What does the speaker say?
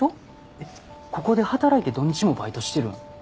えっここで働いて土日もバイトしてるん？